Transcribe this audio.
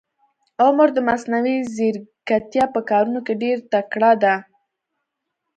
عمر د مصنوي ځیرکتیا په کارونه کې ډېر تکړه ده.